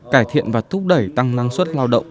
cải thiện và thúc đẩy tăng năng suất lao động